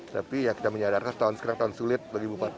tapi kita menyadarkan sekarang tahun sulit bagi bupati